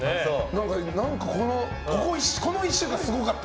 何か、この１週間すごかった。